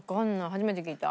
初めて聞いた。